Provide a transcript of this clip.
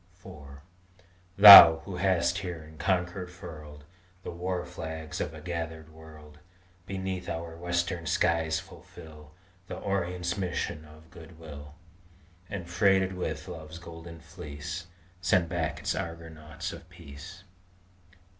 IV Thou, who hast here in concord furled The war flags of a gathered world, Beneath our Western skies fulfil The Orient's mission of good will, And, freighted with love's Golden Fleece, Send back its Argonauts of peace.